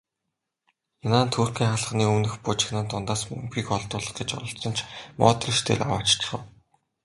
Инан Туркийн хаалганы өмнөх бужигнаан дундаас бөмбөгийг холдуулах гэж оролдсон ч Модрич дээр авааччихав.